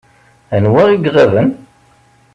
Anwa i iɣaben?